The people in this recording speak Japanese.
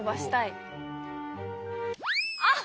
あっ！